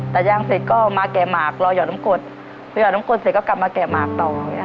ย่างเสร็จก็มาแกะหมากรอหยอดน้ำกดพอหอดน้ำกดเสร็จก็กลับมาแกะหมากต่อ